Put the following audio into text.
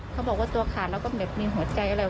เขาบอกว่าตัวขาดแล้วก็แบบมีหัวใจอะไร